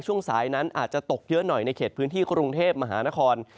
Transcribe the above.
ช่วงสายนั้นอาจจะตกเยอะหน่อยในเขตพื้นที่กรุงเทพมหานคร